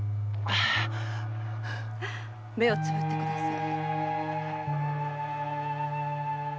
目をつむってください。